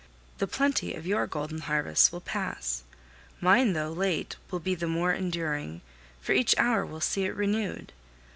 The plenty of your golden harvest will pass; mine, though late, will be but the more enduring, for each hour will see it renewed.